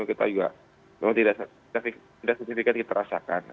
kita juga memang tidak sesedihkan diterasakan